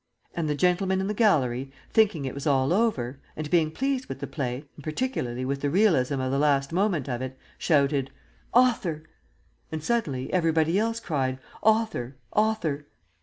And the gentleman in the gallery, thinking it was all over, and being pleased with the play and particularly with the realism of the last moment of it, shouted "Author!" And suddenly everybody else cried "_Author! Author!